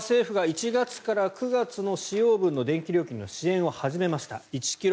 政府が１月から９月までの使用分の電気料金の支援を始めました。